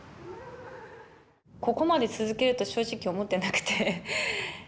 ここまで続けると正直思ってなくて。